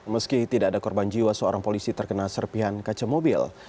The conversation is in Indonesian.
meski tidak ada korban jiwa seorang polisi terkena serpihan kaca mobil